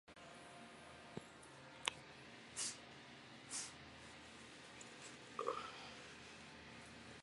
短鳍虫鳗为蠕鳗科虫鳗属的鱼类。